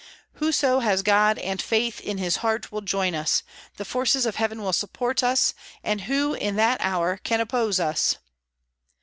Whoso has God and faith in his heart will join us, the forces of heaven will support us, and who in that hour can oppose us?"